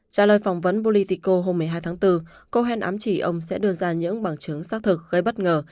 trả lời phỏng vấn bolitico hôm một mươi hai tháng bốn cohen ám chỉ ông sẽ đưa ra những bằng chứng xác thực gây bất ngờ